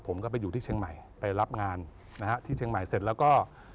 ผมก็ไปอยู่ที่เชียงใหม่ไปรับงานนะฮะที่เชียงใหม่เสร็จแล้วก็